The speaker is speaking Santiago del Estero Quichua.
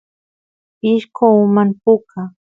pishqo uman puka